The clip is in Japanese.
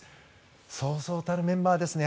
そうそうたるメンバーですね。